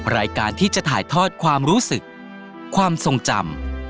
รายการที่จะถ่ายทอดความรู้สึกความทรงจำ